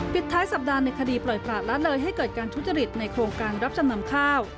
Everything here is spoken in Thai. ปิดท้ายสัปดาห์ในคดีปล่อยประละเลยให้เกิดการทุจริตในโครงการรับจำนำข้าว